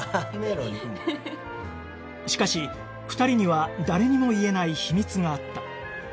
しかし２人には誰にも言えない秘密があった